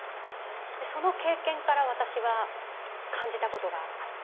その経験から私は感じたことがあって。